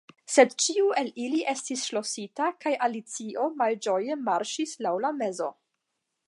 Sed ĉiu el ili estis ŝlosita, kaj Alicio malĝoje marŝis laŭ la mezo.